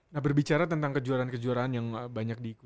nah berbicara tentang kejuaraan kejuaraan yang banyak diikuti